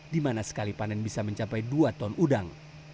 di mana sekali panen bisa mencapai dua ton udang